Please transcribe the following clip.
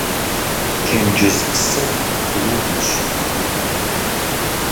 Тенджыз псыр шыугъэщ.